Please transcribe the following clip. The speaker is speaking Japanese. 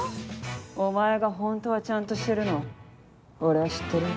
お前が本当はちゃんとしてるの俺は知ってるよ。